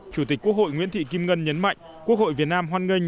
chủ tịch quốc hội nguyễn thị kim ngân nhấn mạnh quốc hội việt nam hoan nghênh